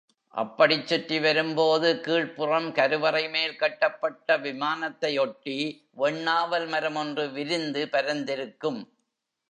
அப்படிச் சுற்றி வரும்போது கீழ்ப்புறம் கருவறை மேல் கட்டப்பட்ட விமானத்தை ஒட்டி வெண்நாவல் மரம் ஒன்று விரிந்து பரந்திருக்கும்.